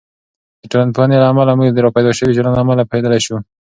د ټولنپوهنې له امله، موږ د راپیدا شوي چلند له امله پوهیدلی شو.